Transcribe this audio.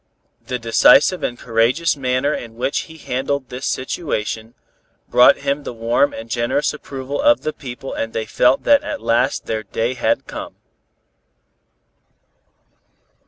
The decisive and courageous manner in which he handled this situation, brought him the warm and generous approval of the people and they felt that at last their day had come.